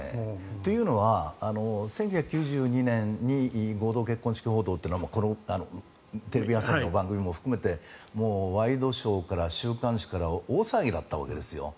というのは１９９２年に合同結婚式報道はこのテレビ朝日の番組も含めてワイドショーから週刊誌から大騒ぎだったわけです。